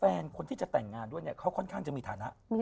คนที่จะแต่งงานด้วยเนี่ยเขาค่อนข้างจะมีฐานะ